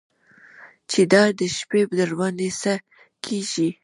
چې دا د شپې درباندې څه کېږي.